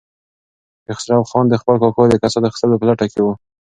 کیخسرو خان د خپل کاکا د کسات اخیستلو په لټه کې و.